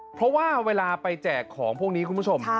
เพราะว่าเวลาไปแจกของพวกนี้คุณผู้ชม